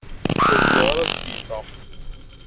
Ur zmireɣ ara ad keyyfeɣ.